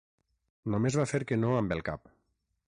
Només va fer que no amb el cap.